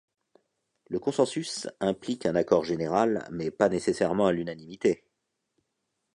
Le consensus implique un accord général, mais pas nécessairement à l'unanimité.